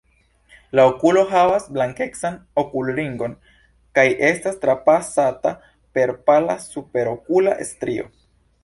La okulo havas blankecan okulringon kaj estas trapasata per pala superokula strio.